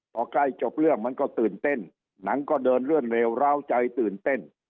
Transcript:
พอใกล้จบเรื่องมันก็ตื่นเต้นหนังก็เดินเลื่อนเลวร้าวใจตื่นเต้น